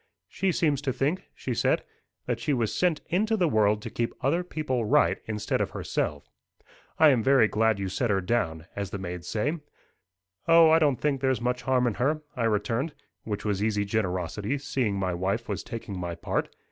"She seems to think," she said, "that she was sent into the world to keep other people right instead of herself. I am very glad you set her down, as the maids say." "O, I don't think there's much harm in her," I returned, which was easy generosity, seeing my wife was taking my part.